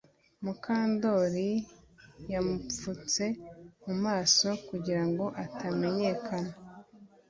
Mukandoli yamupfutse mu maso kugira ngo atamenyekana